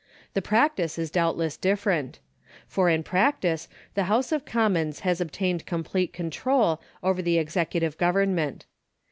The practice is doubtless different ; for in practice the House of Commons has obtained complete control over the executive government.